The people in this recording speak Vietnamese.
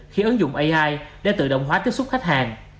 khi ứng dụng ai để tự động hóa tiếp xúc khách hàng